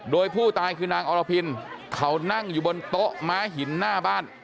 โดยผู้ตายคือนางอรพินเขานั่งอยู่บนโต๊ะม้าหินหน้าบ้าน